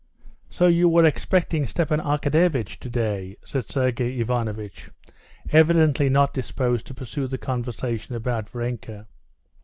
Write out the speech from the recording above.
"So you are expecting Stepan Arkadyevitch today?" said Sergey Ivanovitch, evidently not disposed to pursue the conversation about Varenka.